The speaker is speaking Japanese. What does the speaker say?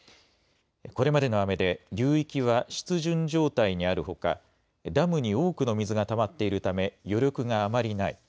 これまでの雨で、流域は湿潤状態にあるほか、ダムに多くの水がたまっているため、余力があまりない。